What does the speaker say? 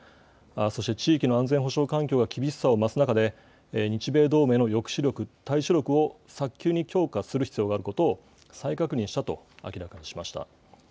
そして、地域の安全保障環境が厳しさを増す中で、日米同盟の抑止力、対処力を早急に強化する必要があることを再確認したと明らかにしました。